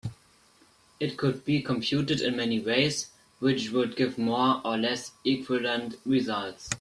It could be computed in many ways which would give more or less equivalent results.